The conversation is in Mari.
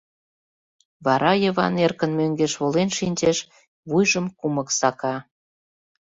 Вара Йыван эркын мӧҥгеш волен шинчеш, вуйжым кумык сака.